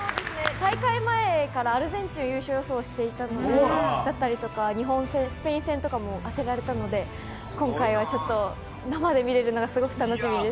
大会前からアルゼンチン優勝予想してたりとか日本戦、スペイン戦とかも当てられたので今回は生で見れるのがすごく楽しみです。